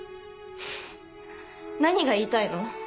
何が言いたいの？